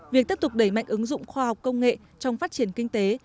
việc tiếp tục đẩy mạnh ứng dụng khoa học công nghệ trong phát triển kinh tế